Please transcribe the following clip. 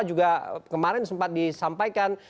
dan juga kemarin sempat disampaikan